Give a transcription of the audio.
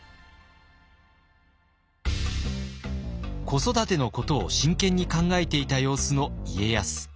子育てのことを真剣に考えていた様子の家康。